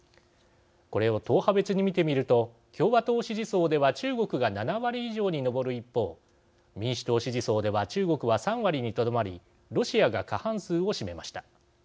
これを党派別に見てみると共和党支持層では中国が７割以上に上る一方民主党支持層では中国は３割にとどまりロシアが過半数を占めました。